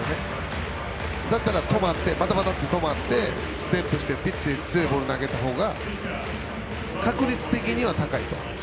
だったら、止まってステップして強いボールを投げた方が確率的には高いと。